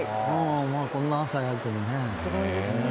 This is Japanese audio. こんな朝早くにね。